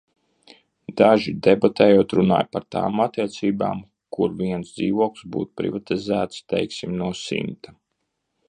Daži debatējot runāja par tām attiecībām, kur viens dzīvoklis būtu privatizēts, teiksim, no simta.